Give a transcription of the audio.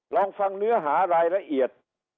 ลองฟังเนื้อหารายละเอียด